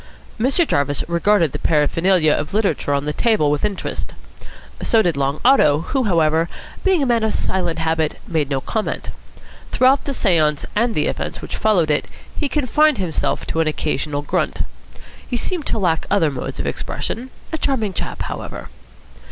Mr. Jarvis regarded the paraphernalia of literature on the table with interest. So did Long Otto, who, however, being a man of silent habit, made no comment. Throughout the seance and the events which followed it he confined himself to an occasional grunt. He seemed to lack other modes of expression. A charming chap, however.